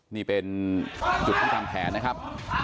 นี่เป็นจุดต้องทำแผนนะครับ